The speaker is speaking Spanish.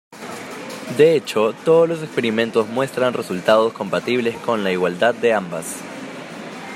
De hecho, todos los experimentos muestran resultados compatibles con la igualdad de ambas.